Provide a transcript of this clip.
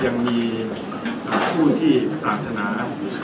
แต่ในระโกธิกลายท่านเหมือนกัน